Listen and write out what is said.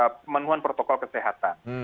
pemenuhan protokol kesehatan